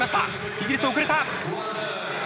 イギリス遅れた！